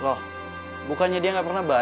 loh bukannya dia gak pernah baik sama lo